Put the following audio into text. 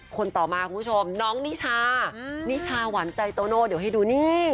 คนต่อมาคุณผู้ชมน้องนิชานิชาหวานใจโตโน่เดี๋ยวให้ดูนี่